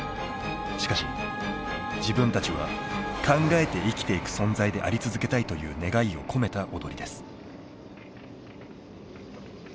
しかし自分たちは考えて生きていく存在であり続けたいという願いを込めた踊りです。